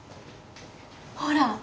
ほら。